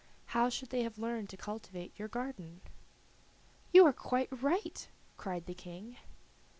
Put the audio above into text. How should they have learned to cultivate your garden?" "You are quite right," cried the King.